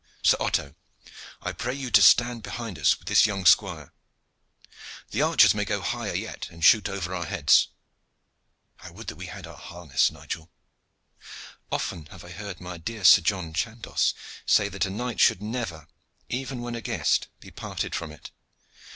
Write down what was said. Sir Otto, I pray you to stand behind us with this young squire. The archers may go higher yet and shoot over our heads. I would that we had our harness, Nigel." "Often have I heard my dear Sir John Chandos say that a knight should never, even when a guest, be parted from it.